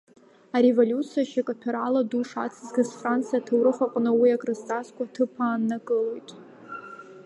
Ареволиуциа ашьакаҭәара ду шацызгьы, Франциа аҭоурых аҟны уи акрызҵазкуа аҭыԥ ааннакылоит.